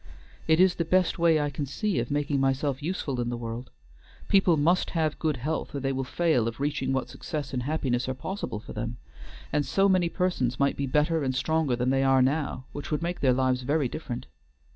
It is the best way I can see of making myself useful in the world. People must have good health or they will fail of reaching what success and happiness are possible for them; and so many persons might be better and stronger than they are now, which would make their lives very different.